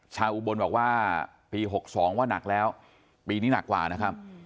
อุบลบอกว่าปี๖๒ว่านักแล้วปีนี้หนักกว่านะครับ